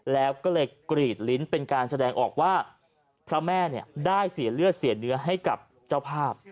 แล้วก็เลยกรีดลิ้นเป็นการแสดงออกว่าพระแม่ได้เสียเลือดเสียเนื้อให้กับเจ้าภาพ